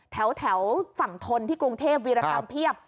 แถวฝั่งทนที่กรุงเทพวีรกรรมเพียบ